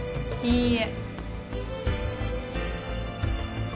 いいえ。